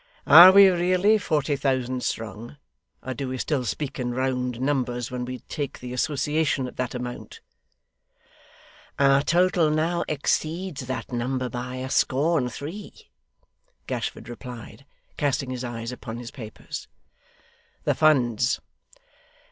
'Are we really forty thousand strong, or do we still speak in round numbers when we take the Association at that amount?' 'Our total now exceeds that number by a score and three,' Gashford replied, casting his eyes upon his papers. 'The funds?